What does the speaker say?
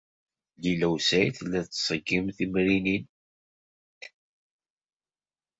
Lila u Saɛid tella tettṣeggim timrinin.